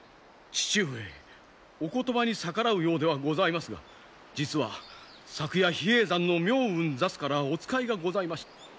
父上お言葉に逆らうようではございますが実は昨夜比叡山の明雲座主からお使いがございまして。